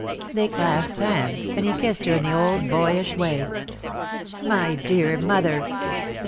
They clasped hands, and he kissed her in the old boyish way. "My dear mother!"